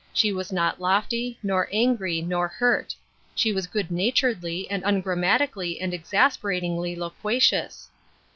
She was not lofty^ nor angry, nor hurt ; she was good naturedly and ungrammatically and exasperatingly loqua cious.